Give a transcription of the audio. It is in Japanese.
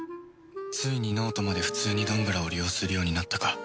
ついに脳人まで普通にどんぶらを利用するようになったか